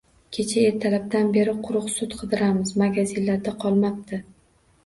Kecha ertalabdan beri quruq sut qidiramiz, magazinlarda qolmabdi